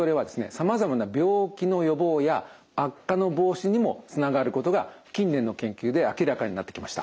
さまざまな病気の予防や悪化の防止にもつながることが近年の研究で明らかになってきました。